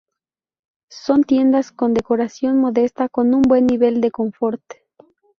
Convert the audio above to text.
Son tiendas con decoración modesta, con un buen nivel de confort.